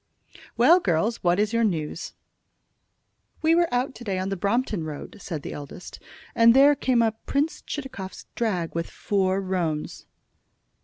"Well, girls, what is your news?" "We were out to day on the Brompton Road," said the eldest, "and there came up Prince Chitakov's drag with four roans."